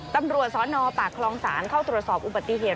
ตำรวจสนปากคลองศาลเข้าตรวจสอบอุบัติเหตุ